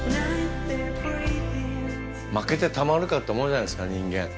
負けてたまるかって思うじゃないですか人間。